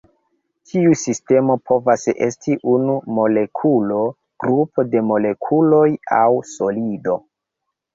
Tiu sistemo povas esti unu molekulo, grupo de molekuloj aŭ solido.